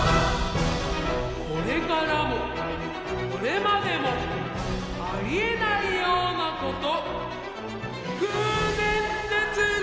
これからもこれまでもありえないようなこと。